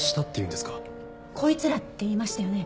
「こいつら」って言いましたよね。